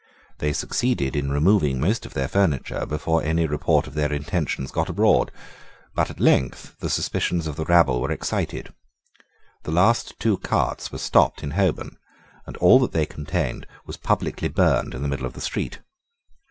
They succeeded in removing most of their furniture before any report of their intentions got abroad. But at length the suspicions of the rabble were excited. The two last carts were stopped in Holborn, and all that they contained was publicly burned in the middle of the street.